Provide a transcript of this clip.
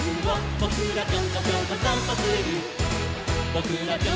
「ぼくらぴょんこぴょんこさんぽする」